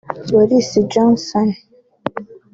Boris Johnson